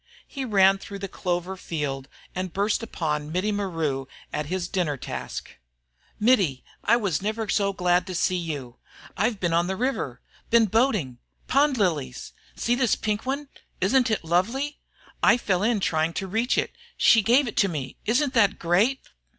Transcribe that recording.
He ran through the clover field and burst upon Mittie Maru at his dinner task. "Mittie, I never was so glad to see you. I've been on the river been boating pond lilies. See, this pink one. Isn't it lovely? I fell in trying to reach it. She gave it to me isn't that great?